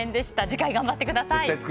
次回、頑張ってください！